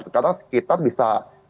sekarang sekitar bisa